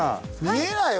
見えない！